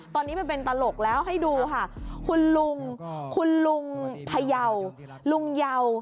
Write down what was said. ตอนนี้มันเป็นตลกแล้วให้ดูค่ะคุณลุงคุณลุงพยาวลุงเยา